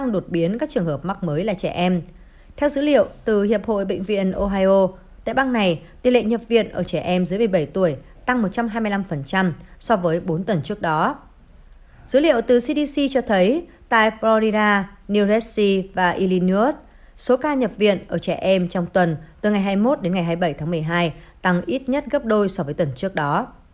dữ liệu từ cdc cho thấy tại florida new jersey và illinois số ca nhập viện ở trẻ em trong tuần từ ngày hai mươi một đến ngày hai mươi bảy tháng một mươi hai tăng ít nhất gấp đôi so với tuần trước đó